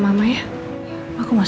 tidak ada yang bisa dikumpulkan